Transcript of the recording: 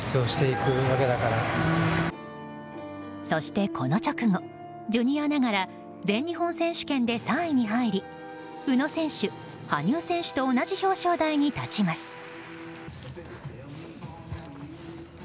そしてこの直後ジュニアながら全日本選手権で３位に入り宇野選手、羽生選手と同じ表彰台に立ちます。